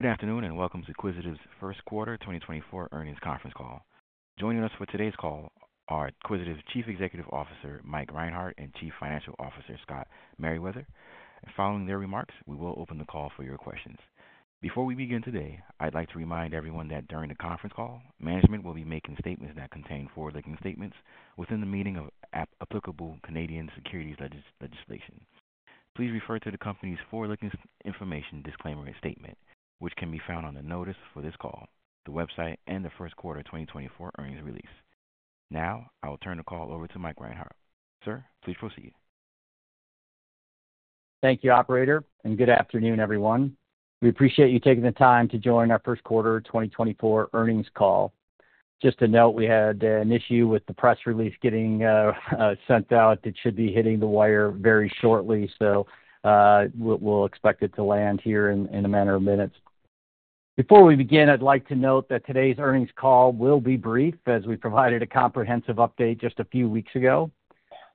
Good afternoon, and welcome to Quisitive's First Quarter 2024 earnings conference call. Joining us for today's call are Quisitive's Chief Executive Officer, Mike Reinhart, and Chief Financial Officer, Scott Merriweather. And following their remarks, we will open the call for your questions. Before we begin today, I'd like to remind everyone that during the conference call, management will be making statements that contain forward-looking statements within the meaning of applicable Canadian securities legislation. Please refer to the company's forward-looking information disclaimer and statement, which can be found on the notice for this call, the website, and the first quarter 2024 earnings release. Now, I will turn the call over to Mike Reinhart. Sir, please proceed. Thank you, operator, and good afternoon, everyone. We appreciate you taking the time to join our first quarter 2024 earnings call. Just to note, we had an issue with the press release getting sent out. It should be hitting the wire very shortly, so we'll expect it to land here in a matter of minutes. Before we begin, I'd like to note that today's earnings call will be brief, as we provided a comprehensive update just a few weeks ago.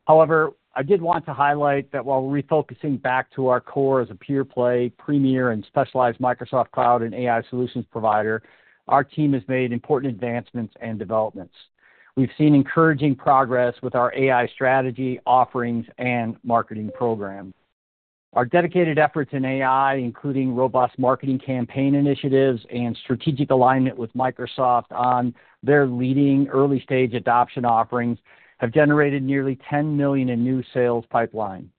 However, I did want to highlight that while we're refocusing back to our core as a pure-play, premier, and specialized Microsoft Cloud and AI solutions provider, our team has made important advancements and developments. We've seen encouraging progress with our AI strategy, offerings, and marketing program. Our dedicated efforts in AI, including robust marketing campaign initiatives and strategic alignment with Microsoft on their leading early-stage adoption offerings, have generated nearly $10 million in new sales pipeline.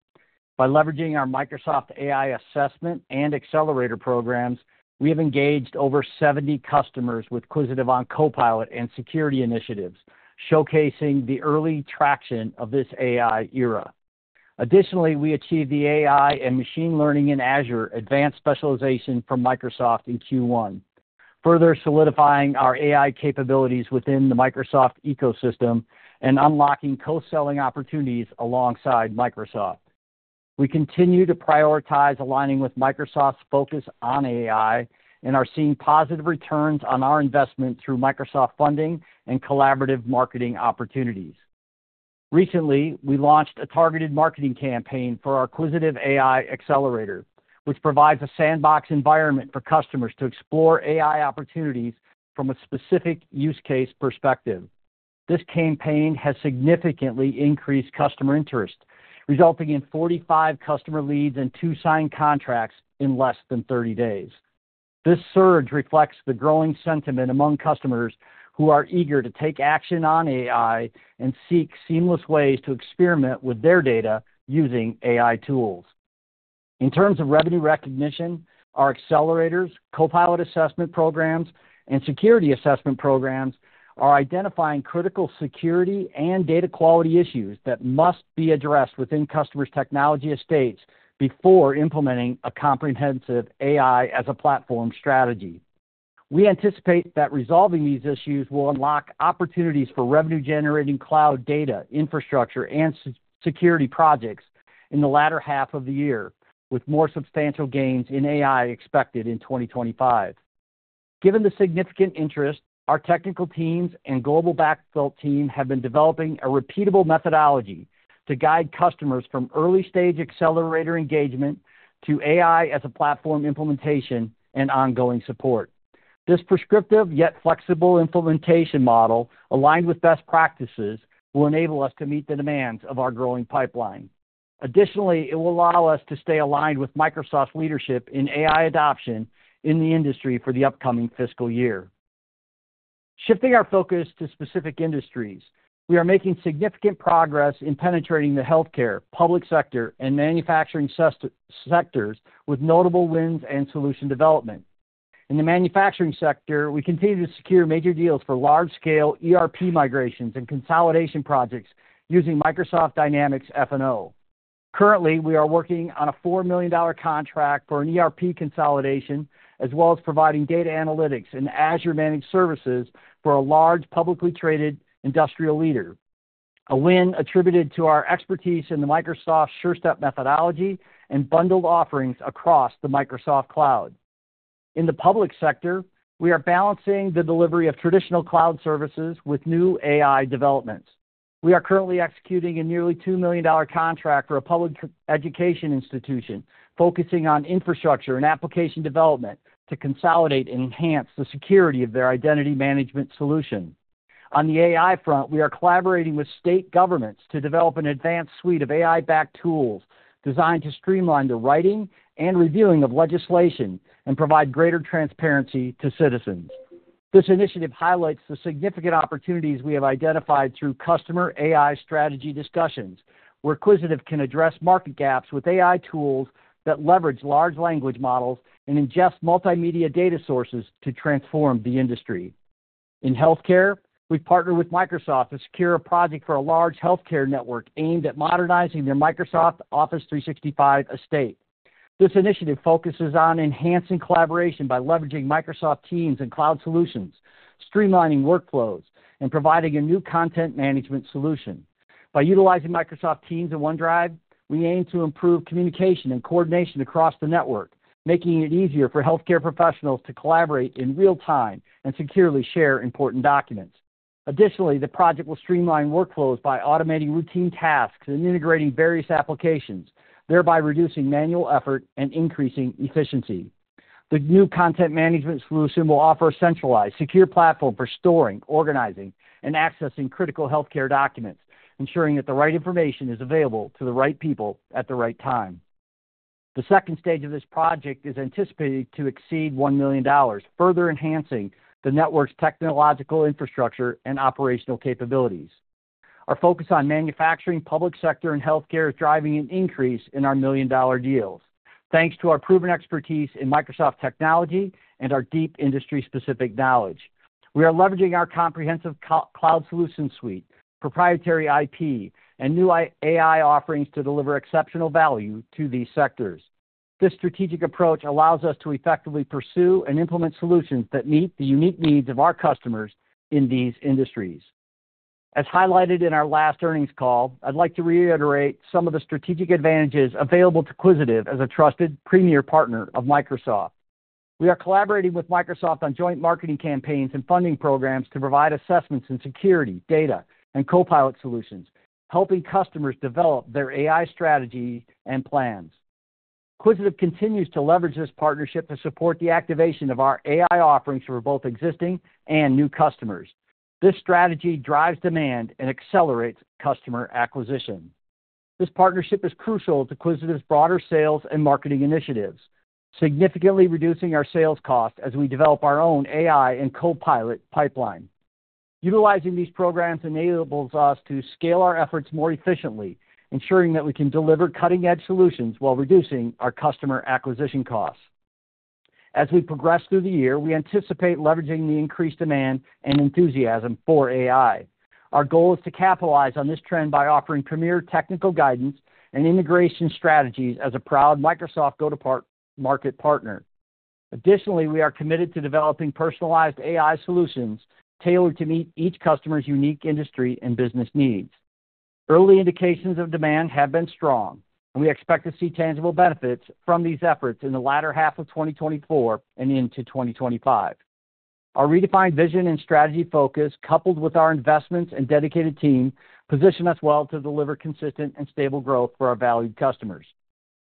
By leveraging our Microsoft AI assessment and accelerator programs, we have engaged over 70 customers with Quisitive on Copilot and security initiatives, showcasing the early traction of this AI era. Additionally, we achieved the AI and machine learning in Azure advanced specialization from Microsoft in Q1, further solidifying our AI capabilities within the Microsoft ecosystem and unlocking co-selling opportunities alongside Microsoft. We continue to prioritize aligning with Microsoft's focus on AI and are seeing positive returns on our investment through Microsoft funding and collaborative marketing opportunities. Recently, we launched a targeted marketing campaign for our Quisitive AI Accelerator, which provides a sandbox environment for customers to explore AI opportunities from a specific use case perspective. This campaign has significantly increased customer interest, resulting in 45 customer leads and two signed contracts in less than 30 days. This surge reflects the growing sentiment among customers who are eager to take action on AI and seek seamless ways to experiment with their data using AI tools. In terms of revenue recognition, our accelerators, Copilot assessment programs, and security assessment programs are identifying critical security and data quality issues that must be addressed within customers' technology estates before implementing a comprehensive AI as a platform strategy. We anticipate that resolving these issues will unlock opportunities for revenue-generating cloud data, infrastructure, and security projects in the latter half of the year, with more substantial gains in AI expected in 2025. Given the significant interest, our technical teams and global backfill team have been developing a repeatable methodology to guide customers from early-stage accelerator engagement to AI as a platform implementation and ongoing support. This prescriptive, yet flexible implementation model, aligned with best practices, will enable us to meet the demands of our growing pipeline. Additionally, it will allow us to stay aligned with Microsoft's leadership in AI adoption in the industry for the upcoming fiscal year. Shifting our focus to specific industries, we are making significant progress in penetrating the healthcare, public sector, and manufacturing sub-sectors with notable wins and solution development. In the manufacturing sector, we continue to secure major deals for large-scale ERP migrations and consolidation projects using Microsoft Dynamics F&O. Currently, we are working on a $4 million contract for an ERP consolidation, as well as providing data analytics and Azure managed services for a large publicly traded industrial leader, a win attributed to our expertise in the Microsoft Sure Step methodology and bundled offerings across the Microsoft Cloud. In the public sector, we are balancing the delivery of traditional cloud services with new AI developments. We are currently executing a nearly $2 million contract for a publicly traded education institution, focusing on infrastructure and application development to consolidate and enhance the security of their identity management solution. On the AI front, we are collaborating with state governments to develop an advanced suite of AI-backed tools designed to streamline the writing and reviewing of legislation and provide greater transparency to citizens. This initiative highlights the significant opportunities we have identified through customer AI strategy discussions, where Quisitive can address market gaps with AI tools that leverage large language models and ingest multimedia data sources to transform the industry. In healthcare, we've partnered with Microsoft to secure a project for a large healthcare network aimed at modernizing their Microsoft Office 365 estate. This initiative focuses on enhancing collaboration by leveraging Microsoft Teams and cloud solutions, streamlining workflows, and providing a new content management solution. By utilizing Microsoft Teams and OneDrive, we aim to improve communication and coordination across the network, making it easier for healthcare professionals to collaborate in real time and securely share important documents.... Additionally, the project will streamline workflows by automating routine tasks and integrating various applications, thereby reducing manual effort and increasing efficiency. The new content management solution will offer a centralized, secure platform for storing, organizing, and accessing critical healthcare documents, ensuring that the right information is available to the right people at the right time. The second stage of this project is anticipated to exceed $1 million, further enhancing the network's technological infrastructure and operational capabilities. Our focus on manufacturing, public sector, and healthcare is driving an increase in our million-dollar deals, thanks to our proven expertise in Microsoft technology and our deep industry-specific knowledge. We are leveraging our comprehensive Cloud solution suite, proprietary IP, and new AI offerings to deliver exceptional value to these sectors. This strategic approach allows us to effectively pursue and implement solutions that meet the unique needs of our customers in these industries. As highlighted in our last earnings call, I'd like to reiterate some of the strategic advantages available to Quisitive as a trusted premier partner of Microsoft. We are collaborating with Microsoft on joint marketing campaigns and funding programs to provide assessments in security, data, and Copilot solutions, helping customers develop their AI strategy and plans. Quisitive continues to leverage this partnership to support the activation of our AI offerings for both existing and new customers. This strategy drives demand and accelerates customer acquisition. This partnership is crucial to Quisitive's broader sales and marketing initiatives, significantly reducing our sales costs as we develop our own AI and Copilot pipeline. Utilizing these programs enables us to scale our efforts more efficiently, ensuring that we can deliver cutting-edge solutions while reducing our customer acquisition costs. As we progress through the year, we anticipate leveraging the increased demand and enthusiasm for AI. Our goal is to capitalize on this trend by offering premier technical guidance and integration strategies as a proud Microsoft go-to-market partner. Additionally, we are committed to developing personalized AI solutions tailored to meet each customer's unique industry and business needs. Early indications of demand have been strong, and we expect to see tangible benefits from these efforts in the latter half of 2024 and into 2025. Our redefined vision and strategy focus, coupled with our investments and dedicated team, position us well to deliver consistent and stable growth for our valued customers.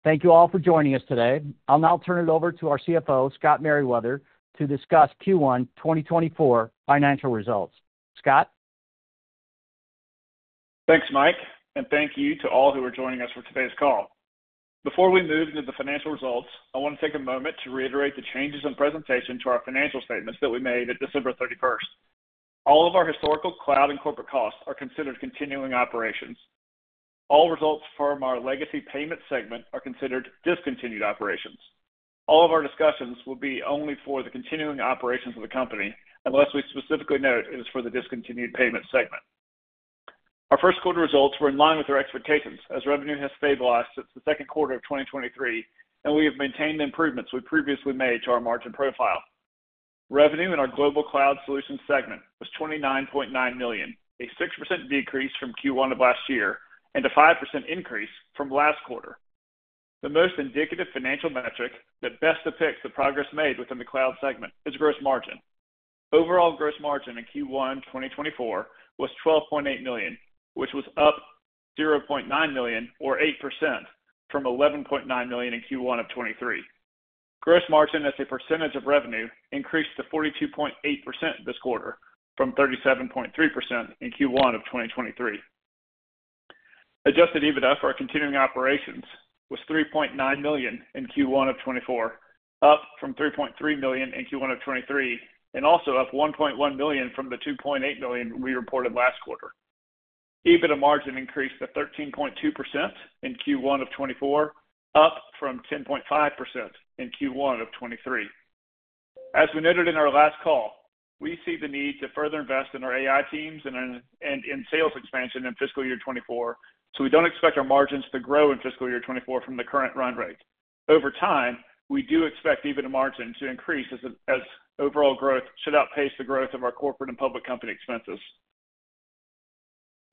Thank you all for joining us today. I'll now turn it over to our CFO, Scott Merriweather, to discuss Q1 2024 financial results. Scott? Thanks, Mike, and thank you to all who are joining us for today's call. Before we move into the financial results, I want to take a moment to reiterate the changes in presentation to our financial statements that we made at December 31. All of our historical cloud and corporate costs are considered continuing operations. All results from our legacy payment segment are considered discontinued operations. All of our discussions will be only for the continuing operations of the company, unless we specifically note it is for the discontinued payment segment. Our first quarter results were in line with our expectations, as revenue has stabilized since the second quarter of 2023, and we have maintained the improvements we previously made to our margin profile. Revenue in our Global Cloud Solutions segment was $29.9 million, a 6% decrease from Q1 of last year, and a 5% increase from last quarter. The most indicative financial metric that best depicts the progress made within the cloud segment is gross margin. Overall gross margin in Q1 2024 was $12.8 million, which was up $0.9 million, or 8%, from $11.9 million in Q1 of 2023. Gross margin as a percentage of revenue increased to 42.8% this quarter, from 37.3% in Q1 of 2023. Adjusted EBITDA for our continuing operations was $3.9 million in Q1 of 2024, up from $3.3 million in Q1 of 2023, and also up $1.1 million from the $2.8 million we reported last quarter. EBITDA margin increased to 13.2% in Q1 of 2024, up from 10.5% in Q1 of 2023. As we noted in our last call, we see the need to further invest in our AI teams and in sales expansion in fiscal year 2024, so we don't expect our margins to grow in fiscal year 2024 from the current run rate. Over time, we do expect EBITDA margin to increase as overall growth should outpace the growth of our corporate and public company expenses.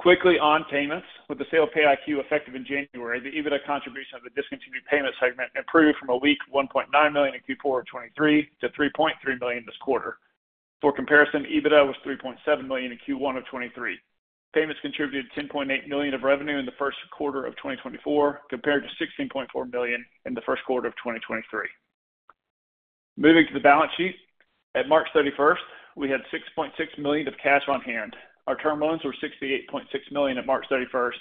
Quickly on payments, with the sale of PayiQ effective in January, the EBITDA contribution of the discontinued payments segment improved from a weak $1.9 million in Q4 of 2023 to $3.3 million this quarter. For comparison, EBITDA was $3.7 million in Q1 of 2023. Payments contributed $10.8 million of revenue in the first quarter of 2024, compared to $16.4 million in the first quarter of 2023. Moving to the balance sheet, at March 31, we had $6.6 million of cash on hand. Our term loans were $68.6 million at March 31,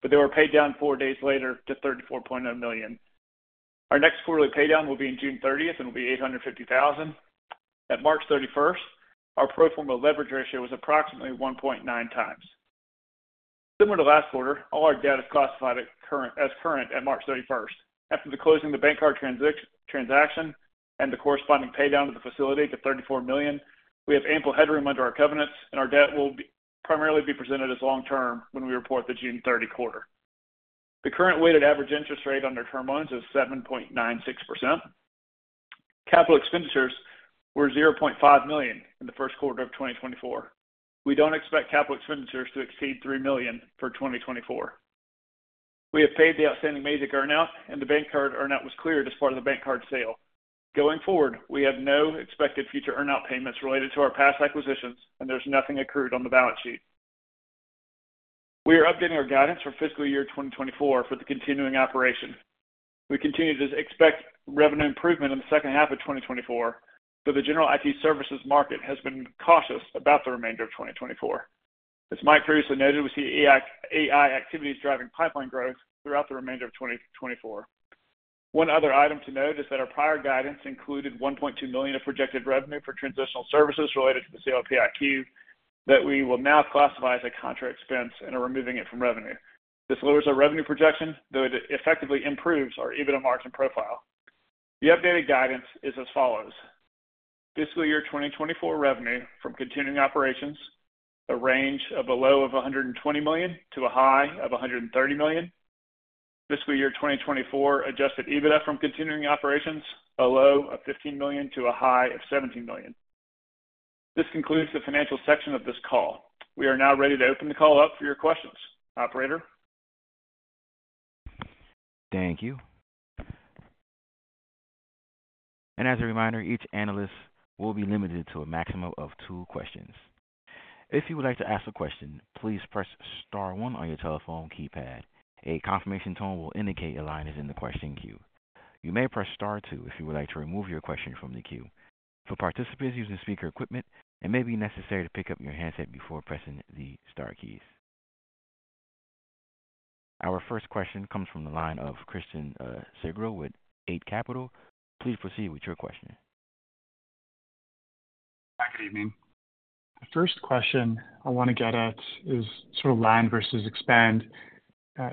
but they were paid down four days later to $34.9 million. Our next quarterly pay down will be in June 30, and will be $850,000. At March 31, our pro forma leverage ratio was approximately 1.9 times. Similar to last quarter, all our debt is classified as current at March 31. After the closing of the BankCardtransaction and the corresponding pay down of the facility to $34 million, we have ample headroom under our covenants, and our debt will primarily be presented as long-term when we report the June 30 quarter. The current weighted average interest rate under term loans is 7.96%. Capital expenditures were $0.5 million in the first quarter of 2024. We don't expect capital expenditures to exceed $3 million for 2024....We have paid the outstanding Mazik earn-out, and the BankCard earn-out was cleared as part of the BankCard sale. Going forward, we have no expected future earn-out payments related to our past acquisitions, and there's nothing accrued on the balance sheet. We are updating our guidance for fiscal year 2024 for the continuing operation. We continue to expect revenue improvement in the second half of 2024, but the general IT services market has been cautious about the remainder of 2024. As Mike previously noted, we see AI, AI activities driving pipeline growth throughout the remainder of 2024. One other item to note is that our prior guidance included $1.2 million of projected revenue for transitional services related to the sale of PayiQ, that we will now classify as a contra expense and are removing it from revenue. This lowers our revenue projection, though it effectively improves our EBITDA margin profile. The updated guidance is as follows: fiscal year 2024 revenue from continuing operations, a range of a low of $120 million-$130 million. Fiscal year 2024 adjusted EBITDA from continuing operations, a low of $15 million to a high of $17 million. This concludes the financial section of this call. We are now ready to open the call up for your questions. Operator? Thank you. As a reminder, each analyst will be limited to a maximum of two questions. If you would like to ask a question, please press star one on your telephone keypad. A confirmation tone will indicate your line is in the question queue. You may press star two if you would like to remove your question from the queue. For participants using speaker equipment, it may be necessary to pick up your handset before pressing the star keys. Our first question comes from the line of Christian Sgro with Eight Capital. Please proceed with your question. Good evening. The first question I want to get at is sort of land versus expand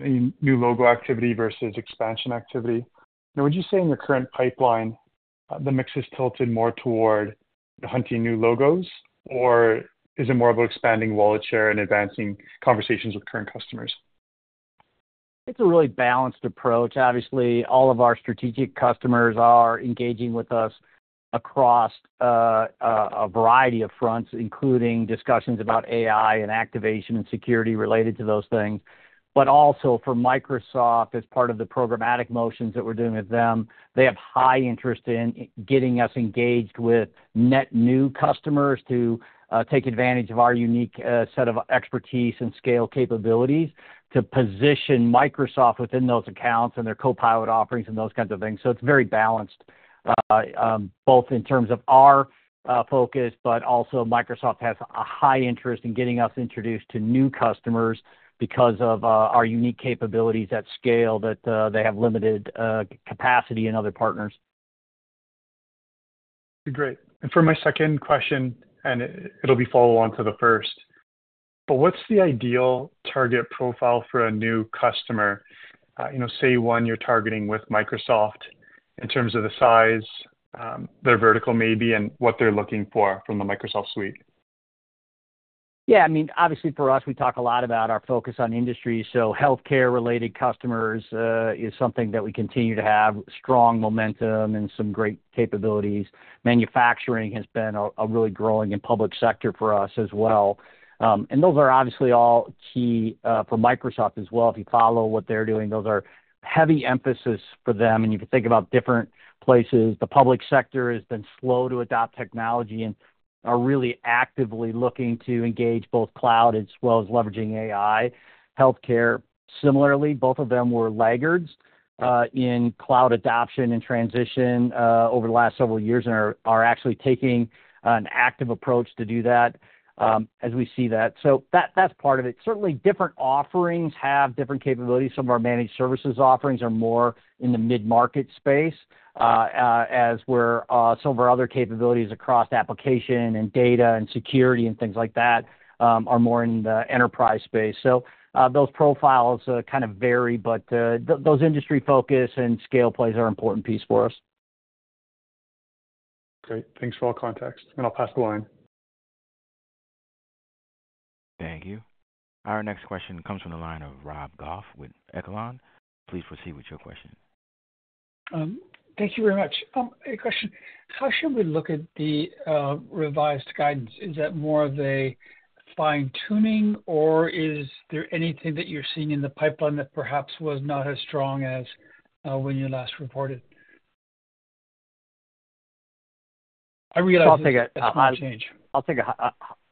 in new logo activity versus expansion activity. Now, would you say in the current pipeline, the mix is tilted more toward hunting new logos, or is it more of expanding wallet share and advancing conversations with current customers? It's a really balanced approach. Obviously, all of our strategic customers are engaging with us across a variety of fronts, including discussions about AI and activation and security related to those things. But also for Microsoft, as part of the programmatic motions that we're doing with them, they have high interest in getting us engaged with net new customers to take advantage of our unique set of expertise and scale capabilities, to position Microsoft within those accounts and their Copilot offerings and those kinds of things. So it's very balanced, both in terms of our focus, but also Microsoft has a high interest in getting us introduced to new customers because of our unique capabilities at scale, that they have limited capacity in other partners. Great. And for my second question, and it'll be follow on to the first, but what's the ideal target profile for a new customer? You know, say, one you're targeting with Microsoft in terms of the size, their vertical maybe, and what they're looking for from the Microsoft Suite? Yeah, I mean, obviously for us, we talk a lot about our focus on industry. So healthcare-related customers is something that we continue to have strong momentum and some great capabilities. Manufacturing has been a really growing and public sector for us as well. And those are obviously all key for Microsoft as well. If you follow what they're doing, those are heavy emphasis for them, and you can think about different places. The public sector has been slow to adopt technology and are really actively looking to engage both cloud as well as leveraging AI. Healthcare, similarly, both of them were laggards in cloud adoption and transition over the last several years, and are actually taking an active approach to do that, as we see that. So that, that's part of it. Certainly, different offerings have different capabilities. Some of our managed services offerings are more in the mid-market space, as where some of our other capabilities across application and data and security and things like that, are more in the enterprise space. So, those profiles kind of vary, but those industry focus and scale plays are an important piece for us. Great. Thanks for all the context, and I'll pass the line. Thank you. Our next question comes from the line of Rob Goff with Echelon. Please proceed with your question. Thank you very much. A question: How should we look at the revised guidance? Is that more of a fine-tuning, or is there anything that you're seeing in the pipeline that perhaps was not as strong as when you last reported? I realize- I'll take a- -change.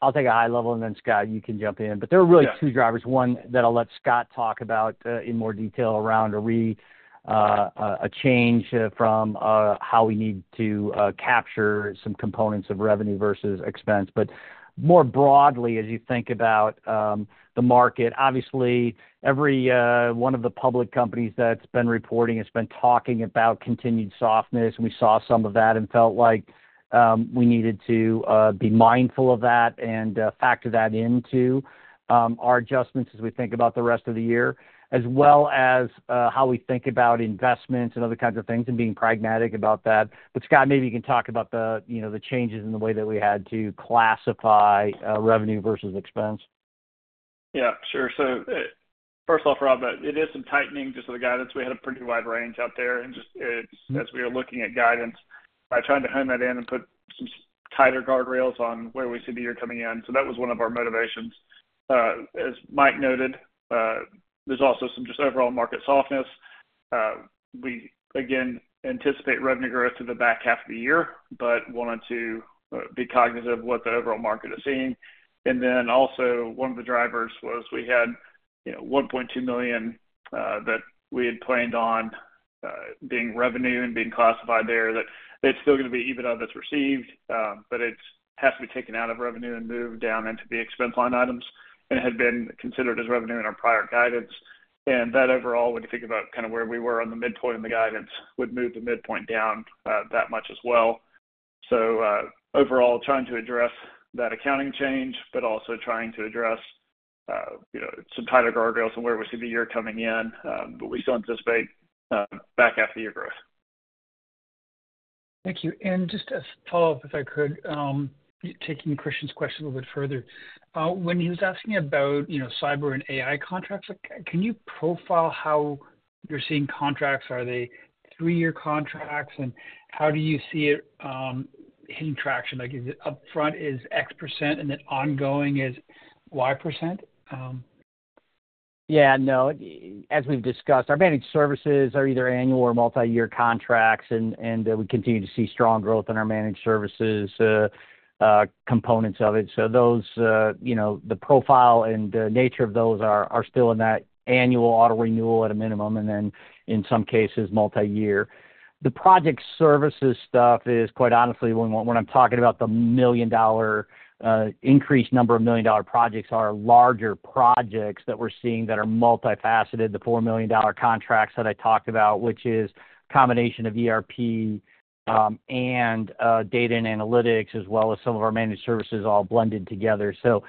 I'll take a high level, and then, Scott, you can jump in. Yeah. But there are really two drivers, one that I'll let Scott talk about in more detail around a change from how we need to capture some components of revenue versus expense. But more broadly, as you think about the market, obviously, every one of the public companies that's been reporting has been talking about continued softness. We saw some of that and felt like we needed to be mindful of that and factor that into our adjustments as we think about the rest of the year, as well as how we think about investments and other kinds of things, and being pragmatic about that. But, Scott, maybe you can talk about the, you know, the changes in the way that we had to classify revenue versus expense. Yeah, sure. So, first off, Rob, it is some tightening just to the guidance. We had a pretty wide range out there, and just, it's- Mm-hmm. As we are looking at guidance, by trying to hone that in and put some tighter guardrails on where we see the year coming in. So that was one of our motivations. As Mike noted, there's also some just overall market softness. We again anticipate revenue growth in the back half of the year, but wanted to be cognitive of what the overall market is seeing. And then also, one of the drivers was we had, you know, $1.2 million that we had planned on being revenue and being classified there, that it's still gonna be EBITDA that's received, but it's has to be taken out of revenue and moved down into the expense line items and had been considered as revenue in our prior guidance. That overall, when you think about kind of where we were on the midpoint and the guidance, would move the midpoint down that much as well. So, overall, trying to address that accounting change, but also trying to address, you know, some tighter guardrails and where we see the year coming in. But we still anticipate back half of the year growth. Thank you. And just as a follow-up, if I could, taking Christian's question a little bit further. When he was asking about, you know, cyber and AI contracts, like, can you profile how you're seeing contracts? Are they three-year contracts, and how do you see it hitting traction? Like, is it upfront is X% and then ongoing is Y%? Yeah, no, as we've discussed, our managed services are either annual or multi-year contracts, and we continue to see strong growth in our managed services components of it. So those, you know, the profile and the nature of those are still in that annual auto renewal at a minimum, and then in some cases, multi-year. The project services stuff is, quite honestly, when I'm talking about the $1 million-dollar increased number of $1 million-dollar projects, are larger projects that we're seeing that are multifaceted. The $4 million contracts that I talked about, which is a combination of ERP and data and analytics, as well as some of our managed services all blended together. So,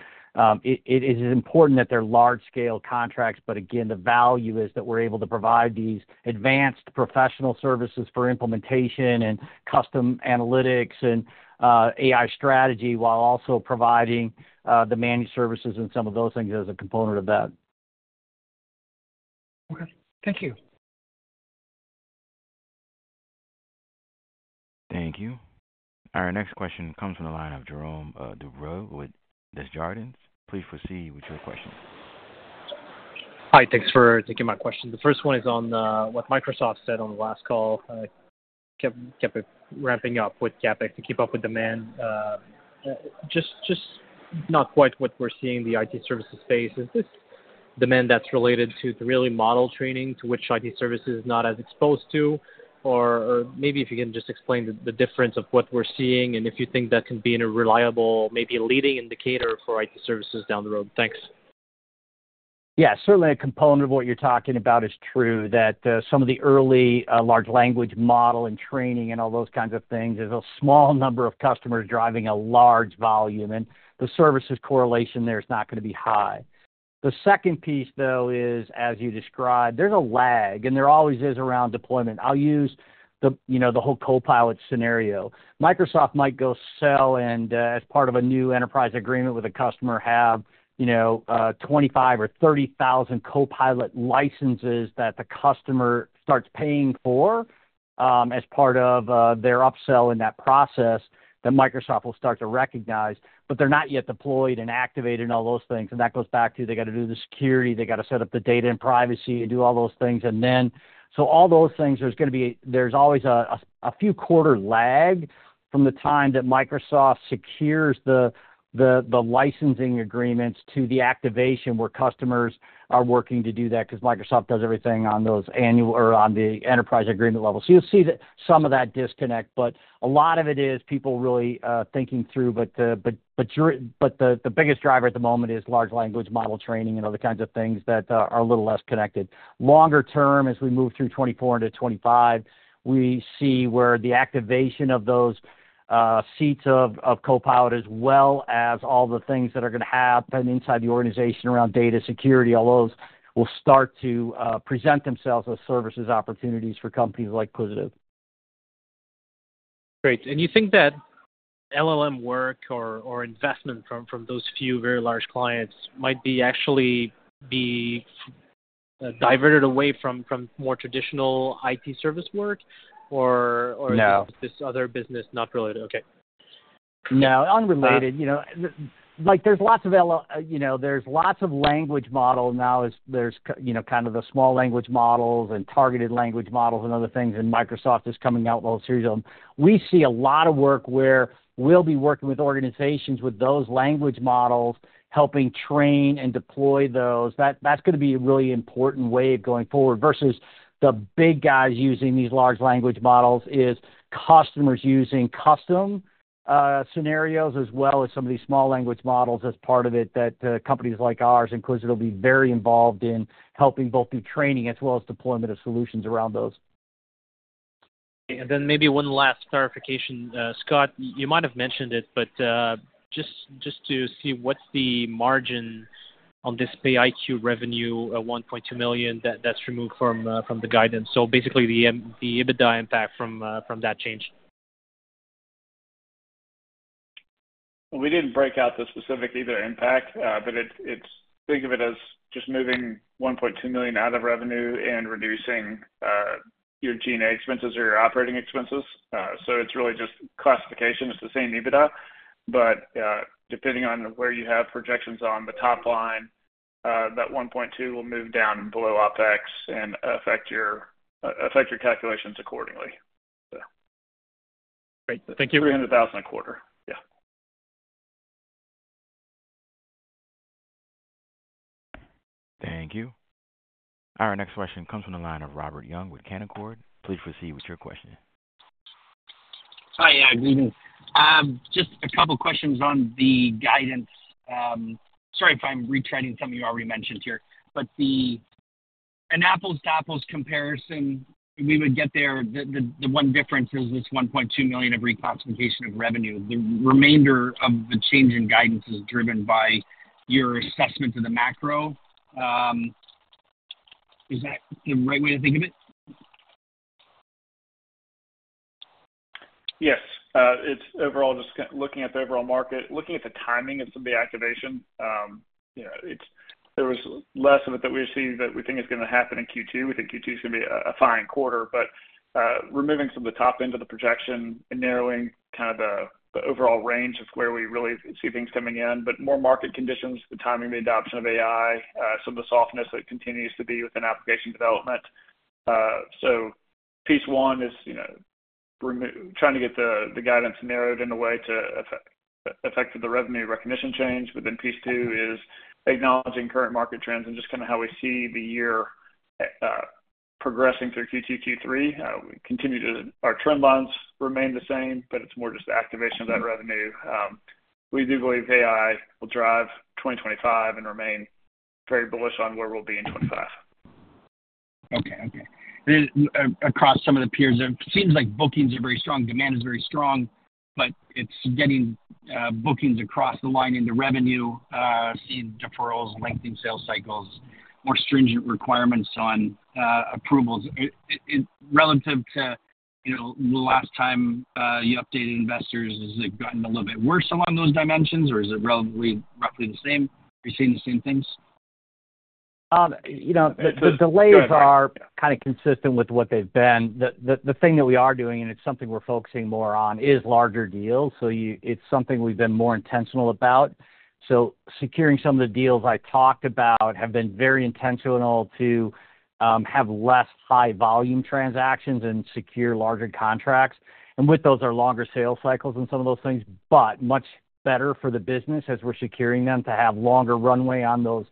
it is important that they're large-scale contracts, but again, the value is that we're able to provide these advanced professional services for implementation and custom analytics and AI strategy, while also providing the managed services and some of those things as a component of that. Okay, thank you. Thank you. Our next question comes from the line of Jerome Dubreuil with Desjardins. Please proceed with your question. Hi, thanks for taking my question. The first one is on what Microsoft said on the last call, kept ramping up with CapEx to keep up with demand. Just not quite what we're seeing in the IT services space. Is this demand that's related to the really model training to which IT services is not as exposed to? Or maybe if you can just explain the difference of what we're seeing and if you think that can be in a reliable, maybe a leading indicator for IT services down the road. Thanks. Yeah, certainly a component of what you're talking about is true, that some of the early large language model and training and all those kinds of things, there's a small number of customers driving a large volume, and the services correlation there is not gonna be high. The second piece, though, is, as you described, there's a lag, and there always is around deployment. I'll use, you know, the whole Copilot scenario. Microsoft might go sell and, as part of a new enterprise agreement with a customer, have, you know, 25 or 30,000 Copilot licenses that the customer starts paying for, as part of their upsell in that process, that Microsoft will start to recognize. But they're not yet deployed and activated and all those things, and that goes back to they got to do the security, they got to set up the data and privacy and do all those things. And then, so all those things, there's gonna be—there's always a few quarter lag from the time that Microsoft secures the licensing agreements to the activation, where customers are working to do that. Because Microsoft does everything on those annual or on the enterprise agreement level. So you'll see that some of that disconnect, but a lot of it is people really thinking through. But the biggest driver at the moment is large language model training and other kinds of things that are a little less connected. Longer term, as we move through 2024 into 2025, we see where the activation of those seats of Copilot, as well as all the things that are gonna happen inside the organization around data security, all those will start to present themselves as services opportunities for companies like Quisitive. Great. And you think that LLM work or investment from those few very large clients might actually be diverted away from more traditional IT service work or- No. This other business not related? Okay. No, unrelated. You know, like, there's lots of language models now. There's, you know, kind of the Small Language Models and targeted language models and other things, and Microsoft is coming out with a whole series of them. We see a lot of work where we'll be working with organizations with those language models, helping train and deploy those. That, that's gonna be a really important way of going forward, versus the big guys using these Large Language Models, is customers using custom scenarios, as well as some of these Small Language Models as part of it, that companies like ours and Quisitive will be very involved in helping both through training as well as deployment of solutions around those. And then maybe one last clarification. Scott, you might have mentioned it, but just to see what's the margin on this PayiQ revenue, $1.2 million that's removed from the guidance. So basically, the EBITDA impact from that change?... We didn't break out the specific EBITDA impact, but it, it's, think of it as just moving $1.2 million out of revenue and reducing your G&A expenses or your operating expenses. So it's really just classification. It's the same EBITDA. But, depending on where you have projections on the top line, that $1.2 million will move down below OpEx and affect your, affect your calculations accordingly. So. Great, thank you. $300,000 a quarter. Yeah. Thank you. Our next question comes from the line of Robert Young with Canaccord. Please proceed with your question. Hi, yeah, good evening. Just a couple questions on the guidance. Sorry if I'm retreading something you already mentioned here, but an apples-to-apples comparison we would get there, the one difference is this $1.2 million of reclassification of revenue. The remainder of the change in guidance is driven by your assessment of the macro. Is that the right way to think of it? Yes. It's overall just looking at the overall market, looking at the timing of some of the activation. You know, it's there was less of it that we're seeing that we think is gonna happen in Q2. We think Q2 is gonna be a fine quarter, but we're moving some of the top end of the projection and narrowing kind of the overall range of where we really see things coming in. But more market conditions, the timing, the adoption of AI, some of the softness that continues to be within application development. So piece one is, you know, trying to get the guidance narrowed in a way to affected the revenue recognition change. But then piece two is acknowledging current market trends and just kinda how we see the year progressing through Q2, Q3. We continue to... Our trend lines remain the same, but it's more just the activation of that revenue. We do believe AI will drive 2025 and remain very bullish on where we'll be in 2025. Okay. Okay. Then, across some of the peers, it seems like bookings are very strong, demand is very strong, but it's getting bookings across the line into revenue, seeing deferrals, lengthening sales cycles, more stringent requirements on approvals. Relative to, you know, the last time you updated investors, has it gotten a little bit worse along those dimensions, or is it relatively roughly the same? Are you seeing the same things? You know, the delays are kind of consistent with what they've been. The thing that we are doing, and it's something we're focusing more on, is larger deals. So it's something we've been more intentional about. So securing some of the deals I talked about have been very intentional to have less high volume transactions and secure larger contracts, and with those are longer sales cycles and some of those things, but much better for the business as we're securing them to have longer runway on those,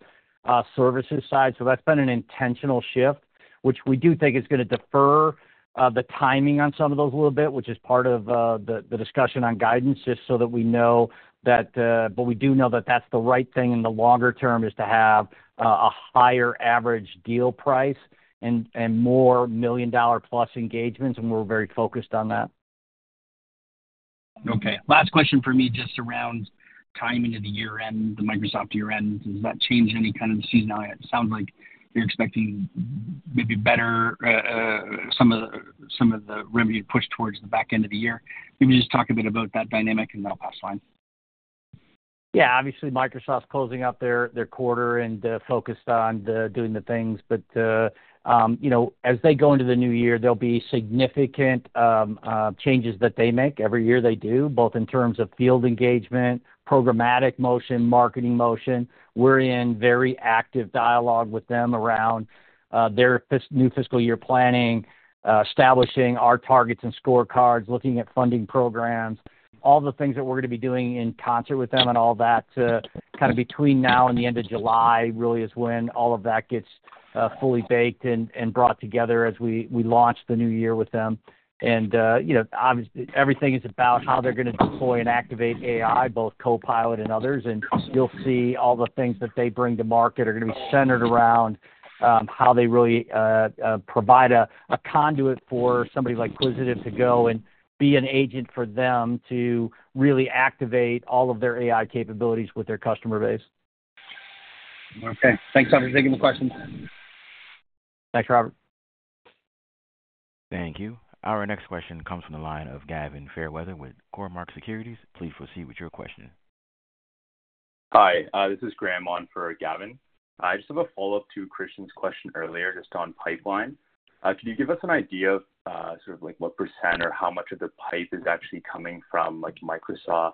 services side. So that's been an intentional shift, which we do think is gonna defer the timing on some of those a little bit, which is part of the discussion on guidance, just so that we know that. But we do know that that's the right thing in the longer term, is to have a higher average deal price and, and more million-dollar-plus engagements, and we're very focused on that. Okay. Last question for me, just around timing of the year-end, the Microsoft year-end. Does that change any kind of seasonality? It sounds like you're expecting maybe better, some of the revenue pushed towards the back end of the year. Can you just talk a bit about that dynamic, and then I'll pass the line? Yeah, obviously, Microsoft's closing out their quarter and focused on doing the things. But you know, as they go into the new year, there'll be significant changes that they make. Every year they do, both in terms of field engagement, programmatic motion, marketing motion. We're in very active dialogue with them around their new fiscal year planning, establishing our targets and scorecards, looking at funding programs, all the things that we're gonna be doing in concert with them and all that kind of between now and the end of July really is when all of that gets fully baked and brought together as we launch the new year with them. And you know, everything is about how they're gonna deploy and activate AI, both Copilot and others. You'll see all the things that they bring to market are gonna be centered around how they really provide a conduit for somebody like Quisitive to go and be an agent for them to really activate all of their AI capabilities with their customer base. Okay. Thanks for taking the question. Thanks, Robert. Thank you. Our next question comes from the line of Gavin Fairweather with Cormark Securities. Please proceed with your question. Hi, this is Graham on for Gavin. I just have a follow-up to Christian's question earlier, just on pipeline. Can you give us an idea of, sort of like, what % or how much of the pipe is actually coming from, like, Microsoft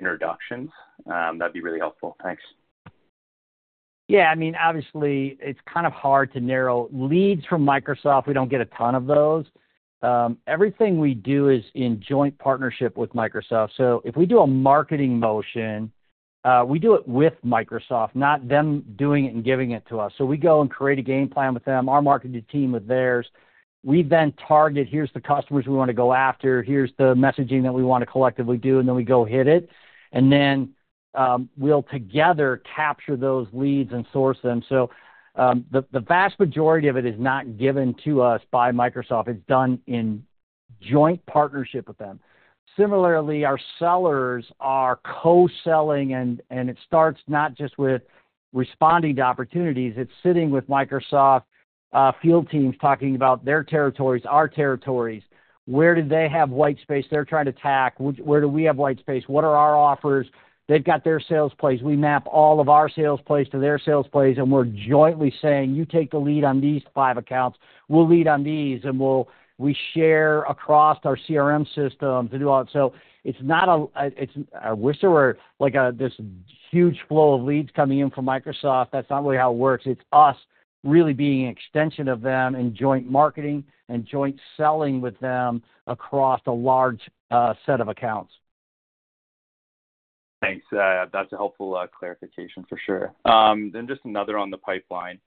introductions? That'd be really helpful. Thanks. Yeah, I mean, obviously, it's kind of hard to narrow. Leads from Microsoft, we don't get a ton of those. Everything we do is in joint partnership with Microsoft. So if we do a marketing motion, we do it with Microsoft, not them doing it and giving it to us. So we go and create a game plan with them, our marketing team with theirs. We then target, here's the customers we want to go after, here's the messaging that we want to collectively do, and then we go hit it. And then, we'll together capture those leads and source them. So, the vast majority of it is not given to us by Microsoft. It's done in joint partnership with them. Similarly, our sellers are co-selling, and it starts not just with responding to opportunities, it's sitting with Microsoft field teams, talking about their territories, our territories. Where do they have white space they're trying to tackle? Where do we have white space? What are our offers? They've got their sales plays. We map all of our sales plays to their sales plays, and we're jointly saying: "You take the lead on these five accounts, we'll lead on these," and we'll, we share across our CRM system to do all that. So it's not-- I wish there were, like, this huge flow of leads coming in from Microsoft. That's not really how it works. It's us really being an extension of them and joint marketing and joint selling with them across a large set of accounts. Thanks. That's a helpful clarification for sure. Then just another on the pipeline.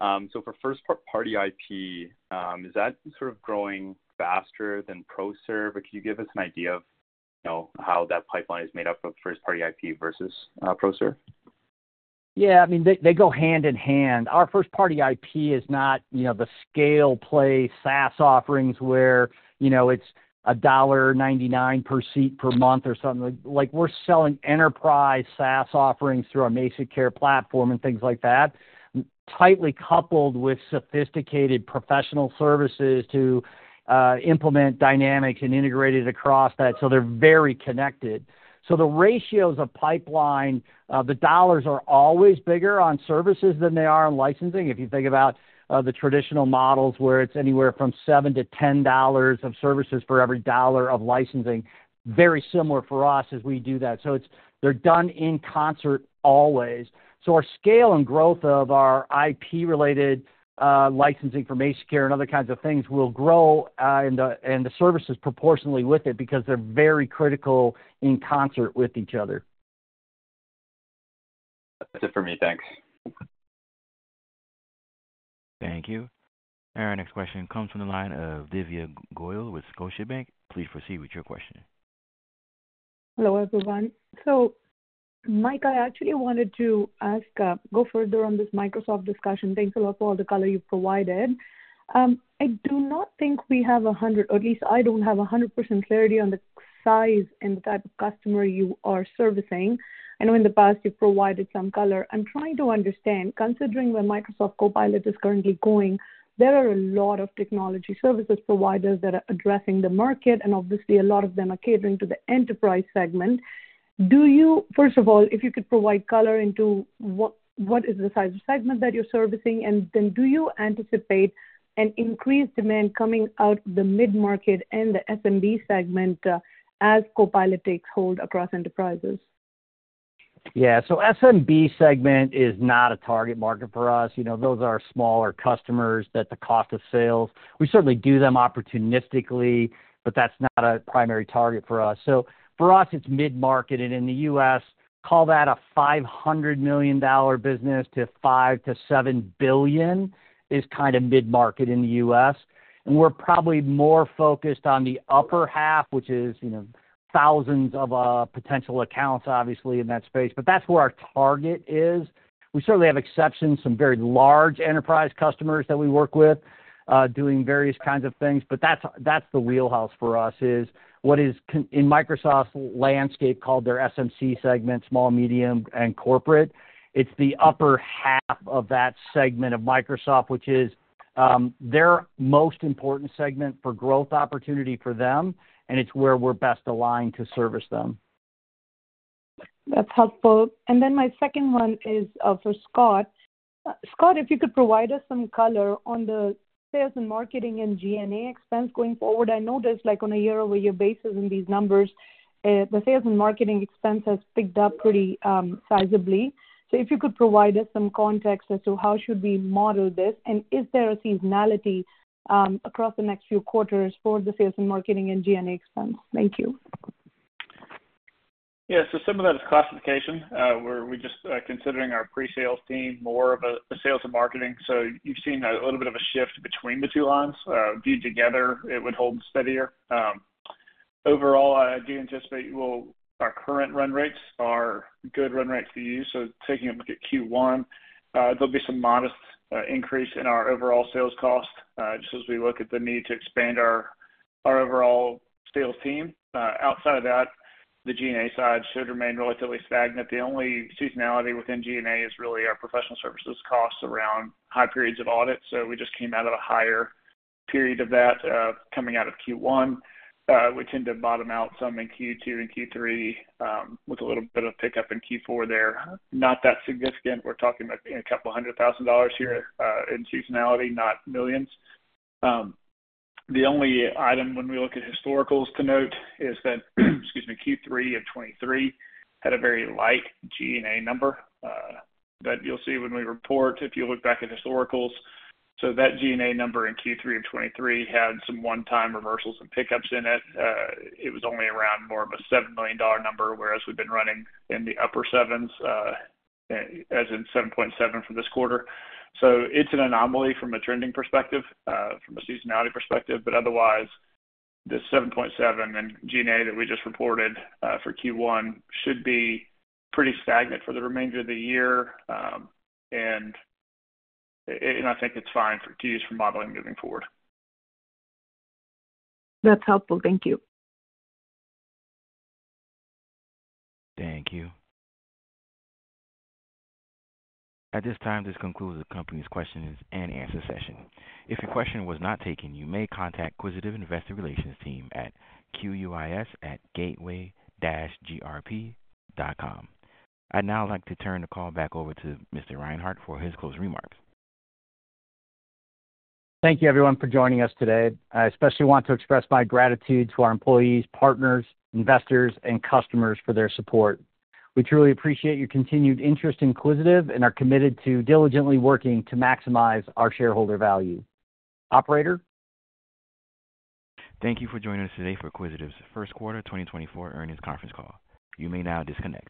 So for first-party IP, is that sort of growing faster than ProServ? Or can you give us an idea of, you know, how that pipeline is made up of first-party IP versus ProServ? Yeah, I mean, they, they go hand in hand. Our first-party IP is not, you know, the scale play SaaS offerings where, you know, it's $1.99 per seat per month or something. Like, we're selling enterprise SaaS offerings through our MazikCare platform and things like that, tightly coupled with sophisticated professional services to implement Dynamics and integrate it across that, so they're very connected. So the ratios of pipeline, the dollars are always bigger on services than they are on licensing. If you think about, the traditional models, where it's anywhere from $7-$10 of services for every $1 of licensing, very similar for us as we do that. So it's- they're done in concert always. So our scale and growth of our IP-related licensing for MazikCare and other kinds of things will grow, and the services proportionately with it, because they're very critical in concert with each other. That's it for me. Thanks. Thank you. Our next question comes from the line of Divya Goyal with Scotiabank. Please proceed with your question. Hello, everyone. So Mike, I actually wanted to ask, go further on this Microsoft discussion. Thanks a lot for all the color you've provided. I do not think we have 100, or at least I don't have 100% clarity on the size and the type of customer you are servicing. I know in the past you've provided some color. I'm trying to understand, considering where Microsoft Copilot is currently going, there are a lot of technology services providers that are addressing the market, and obviously, a lot of them are catering to the enterprise segment. Do you? First of all, if you could provide color into what, what is the size of segment that you're servicing? And then, do you anticipate an increased demand coming out of the mid-market and the SMB segment, as Copilot takes hold across enterprises? Yeah. So SMB segment is not a target market for us. You know, those are smaller customers that the cost of sales... We certainly do them opportunistically, but that's not a primary target for us. So for us, it's mid-market, and in the U.S., call that a $500 million business to $5-$7 billion is kind of mid-market in the US. And we're probably more focused on the upper half, which is, you know, thousands of potential accounts, obviously, in that space. But that's where our target is. We certainly have exceptions, some very large enterprise customers that we work with, doing various kinds of things, but that's, that's the wheelhouse for us, is what is in Microsoft's landscape, called their SMC segment, small, medium, and corporate. It's the upper half of that segment of Microsoft, which is their most important segment for growth opportunity for them, and it's where we're best aligned to service them. That's helpful. And then my second one is for Scott. Scott, if you could provide us some color on the sales and marketing and GNA expense going forward. I noticed, like, on a year-over-year basis in these numbers, the sales and marketing expense has picked up pretty sizably. So if you could provide us some context as to how should we model this, and is there a seasonality across the next few quarters for the sales and marketing and GNA expense? Thank you. Yeah, so some of that is classification. We're just considering our pre-sales team more of a sales and marketing. So you've seen a little bit of a shift between the two lines. Viewed together, it would hold steadier. Overall, I do anticipate we'll, our current run rates are good run rates to use, so taking a look at Q1, there'll be some modest increase in our overall sales cost, just as we look at the need to expand our overall sales team. Outside of that, the GNA side should remain relatively stagnant. The only seasonality within GNA is really our professional services costs around high periods of audit. So we just came out of a higher period of that, coming out of Q1. We tend to bottom out some in Q2 and Q3, with a little bit of pickup in Q4 there. Not that significant. We're talking $200,000 here in seasonality, not millions. The only item when we look at historicals to note is that, excuse me, Q3 of 2023 had a very light G&A number. But you'll see when we report, if you look back at historicals, so that G&A number in Q3 of 2023 had some one-time reversals and pickups in it. It was only around more of a $7 million number, whereas we've been running in the upper sevens, as in 7.7 for this quarter. So it's an anomaly from a trending perspective, from a seasonality perspective, but otherwise, the $7.7 in G&A that we just reported for Q1 should be pretty stagnant for the remainder of the year. And I think it's fine for to use for modeling moving forward. That's helpful. Thank you. Thank you. At this time, this concludes the company's questions and answer session. If your question was not taken, you may contact Quisitive Investor Relations team at quis@gateway-grp.com. I'd now like to turn the call back over to Mr. Reinhart for his closing remarks. Thank you, everyone, for joining us today. I especially want to express my gratitude to our employees, partners, investors, and customers for their support. We truly appreciate your continued interest in Quisitive and are committed to diligently working to maximize our shareholder value. Operator? Thank you for joining us today for Quisitive's First Quarter 2024 Earnings Conference Call. You may now disconnect.